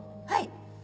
はい